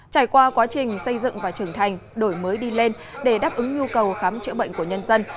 trải qua quá trình xây dựng và trưởng thành đổi mới đi lên để đáp ứng nhu cầu khám chữa bệnh của nhân dân